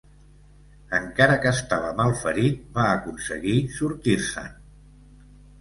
Encara que estava malferit, va aconseguir sortir-se'n.